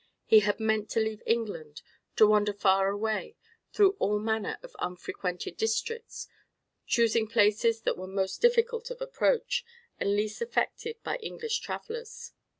He had meant to leave England, and wander far away, through all manner of unfrequented districts, choosing places that were most difficult of approach, and least affected by English travellers.